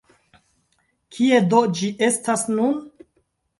Kie do ĝi estas nun?